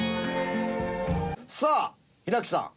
さあ平木さん！